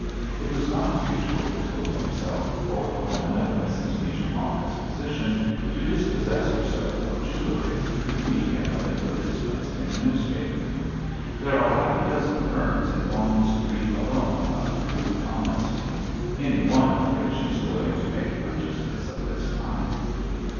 It was not usual, he told himself, for a woman of Mrs. Beecher Monmouth's position to dispossess herself of jewellery through the medium of advertisements in a newspaper. There are half a dozen firms in Bond Street alone, of proved honesty, any one of which is willing to make purchases of this kind.